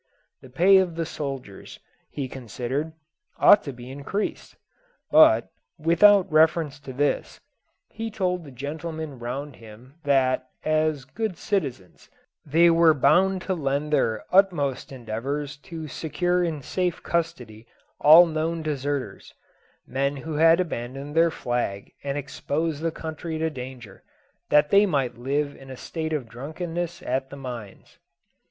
The pay of the soldiers, he considered, ought to be increased; but, without reference to this, he told the gentlemen round him that, as good citizens, they were bound to lend their utmost endeavours to secure in safe custody all known deserters men who had abandoned their flag and exposed the country to danger, that they might live in a state of drunkenness at the mines.